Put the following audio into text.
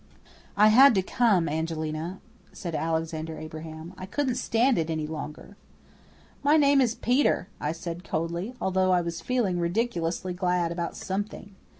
"I had to come, Angelina," said Alexander Abraham. "I couldn't stand it any longer." "My name is Peter," I said coldly, although I was feeling ridiculously glad about something.